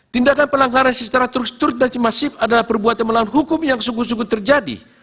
tindakan pelanggaran secara terus dan masif adalah perbuatan melawan hukum yang sungguh sungguh terjadi